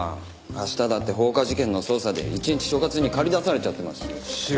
明日だって放火事件の捜査で一日所轄に駆り出されちゃってますし。